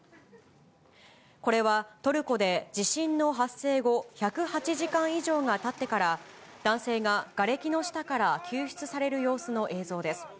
これはトルコで、地震の発生後１０８時間以上がたってから男性ががれきの下から救出される様子の映像です。